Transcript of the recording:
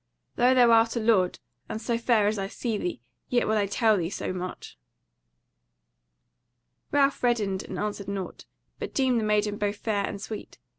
Though thou art a lord, and so fair as I see thee, yet will I tell thee so much." Ralph reddened and answered nought; but deemed the maiden both fair and sweet.